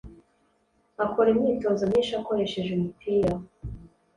akora imyitozo myinshi akoresheje umupira